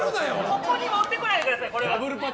ここに持ってこないでください。